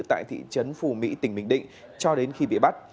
tại thị trấn phù mỹ tỉnh bình định cho đến khi bị bắt